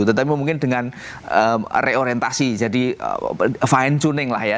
tetapi mungkin dengan reorientasi jadi fine tuning lah ya